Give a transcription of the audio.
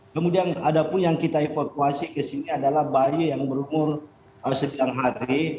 kemudian ada pun yang kita evakuasi ke sini adalah bayi yang berumur setiap hari